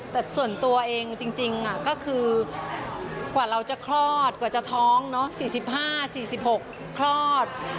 แต่ส่วนตัวเองจริงก็คือกว่าเราจะคลอดกว่าจะท้อง๔๕๔๖คลอด